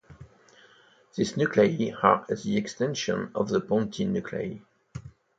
These nuclei are the extension of the pontine nuclei.